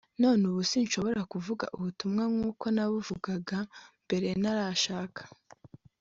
none ubu sinshobora kuvuga ubutumwa nk’uko nabuvugaga mbere ntarashaka